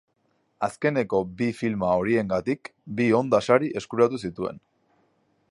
Azkeneko bi filma horiengatik bi Onda Sari eskuratu zituen.